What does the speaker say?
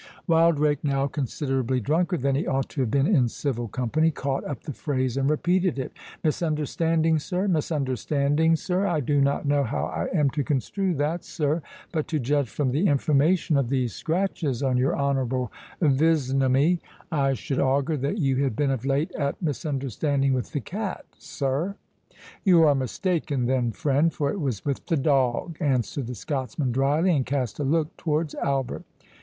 Wildrake, now considerably drunker than he ought to have been in civil company, caught up the phrase and repeated it:—"Misunderstanding, sir—Misunderstanding, sir?—I do not know how I am to construe that, sir; but to judge from the information of these scratches on your honourable visnomy, I should augur that you had been of late at misunderstanding with the cat, sir." "You are mistaken, then, friend, for it was with the dowg," answered the Scotsman, dryly, and cast a look towards Albert.